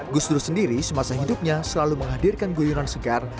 gus dur sendiri semasa hidupnya selalu menghadirkan guyunan segar